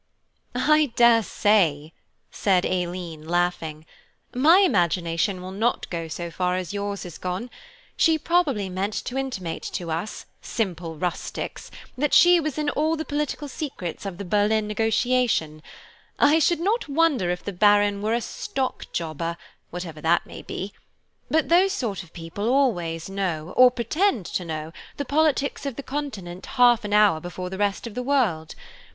"I daresay," said Aileen, laughing, "my imagination will not go so far as yours has gone–she probably meant to intimate to us, simple rustics, that she was in all the political secrets of the Berlin negotiation. I should not wonder if the Baron were a stock jobber, whatever that may be; but those sort of people always know, or pretend to know, the politics of the continent half an hour before the rest of the world.